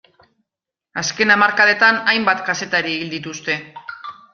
Azken hamarkadetan hainbat kazetari hil dituzte.